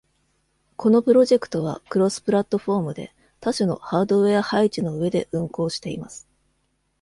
このプロジェクトはクロスプラットフォームで、多種のハードウェア配置の上で運行しています。